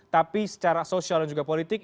tapi secara sosial dan juga politik